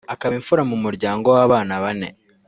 akaba imfura mu muryango w’abana bane